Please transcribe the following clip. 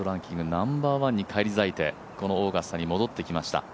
ナンバーワンに返り咲いてこのオーガスタに戻ってきました。